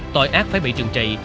tội ác phải bị trộm cắp